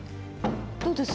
どうです？